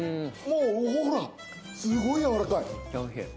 もうほら、すごいやわらかい！